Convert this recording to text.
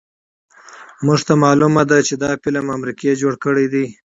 مونږ ته پته ده چې دا فلم امريکې جوړ کړے دے